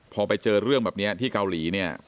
พอไปเจอเรื่องแบบนี้ที่เกาหลีเนี่ย